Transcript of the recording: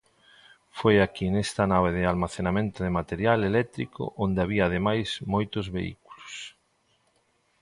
Foi aquí nesta nave de almacenamento de material eléctrico onde había ademais moitos vehículos.